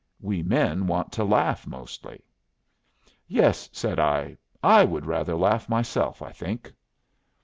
We men want to laugh mostly." "Yes," said I; "I would rather laugh myself, I think."